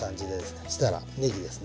そしたらねぎですね。